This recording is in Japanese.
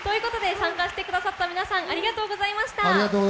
参加してくださった皆さんありがとうございました。